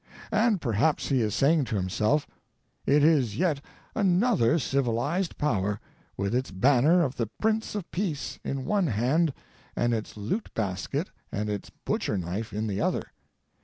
And perhaps he is saying to himself : "It is yet another Civilized Power, with its banner of the Prince of Peace in one hand and its loot basket and its butcher knife in the other.